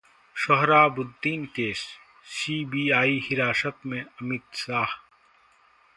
Sohrabuddin case: CBI हिरासत में अमित शाह